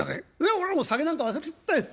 俺はもう酒なんか忘れちゃったい。